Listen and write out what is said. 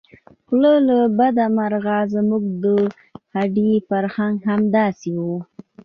خو له بده مرغه زموږ د هډې فرهنګ همداسې و.